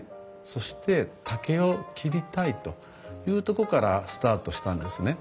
そして竹を切りたいというとこからスタートしたんですね。